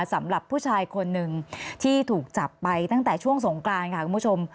สำหรับผู้ชายคนหนึ่งที่ถูกจับไปตั้งแต่ช่วงสงกรานค่ะคุณผู้ชม